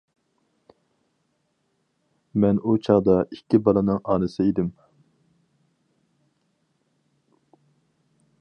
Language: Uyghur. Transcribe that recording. مەن ئۇ چاغدا ئىككى بالىنىڭ ئانىسى ئىدىم.